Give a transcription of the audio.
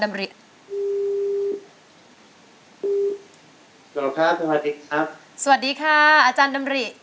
สวัสดีค่ะอาจารย์ดำลิ